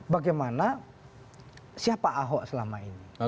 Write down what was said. bagaimana siapa ahok selama ini